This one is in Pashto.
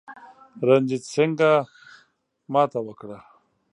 رنجیټ سینګه ماته وکړه.